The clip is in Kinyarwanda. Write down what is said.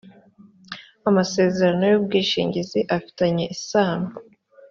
amasezerano y ‘ubwishingizi afitanye isano.